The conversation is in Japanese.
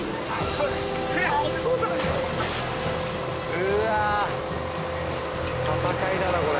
うわ戦いだなこれ。